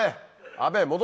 阿部！